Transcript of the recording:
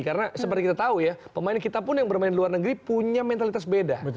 karena seperti kita tahu ya pemain kita pun yang bermain di luar negeri punya mentalitas beda